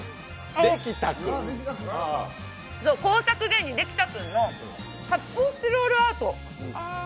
工作芸人・できたくんの発泡スチロールアート。